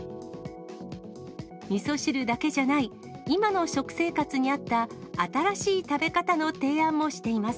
みそ汁だけじゃない、今の食生活に合った、新しい食べ方の提案もしています。